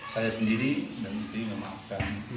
saya sendiri dan istri memaafkan